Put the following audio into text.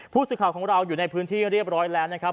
ผู้สื่อข่าวของเราอยู่ในพื้นที่เรียบร้อยแล้วนะครับ